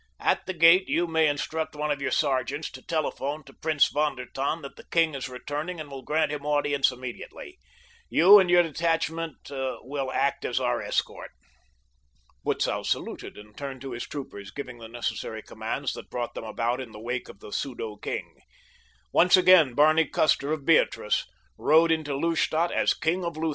"At the gate you may instruct one of your sergeants to telephone to Prince von der Tann that the king is returning and will grant him audience immediately. You and your detachment will act as our escort." Butzow saluted and turned to his troopers, giving the necessary commands that brought them about in the wake of the pseudo king. Once again Barney Custer, of Beatrice, rode into Lustadt as king of Lutha.